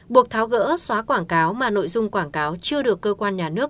buộc tháo gỡ xóa quảng cáo mà nội dung quảng cáo chưa được cơ quan nhà nước